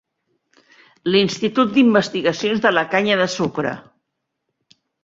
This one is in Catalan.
L'institut d'Investigacions de la Canya de Sucre.